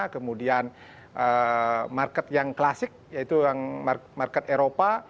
kemudian market yang klasik yaitu yang market eropa